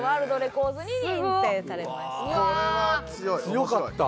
強かった！